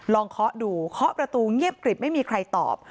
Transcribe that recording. เคาะดูเคาะประตูเงียบกริบไม่มีใครตอบ